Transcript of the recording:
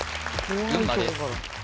群馬です